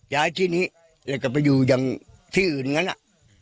ย้ายที่นี้แล้วก็ไปอยู่อย่างที่อื่นอย่างนั้นอ่ะ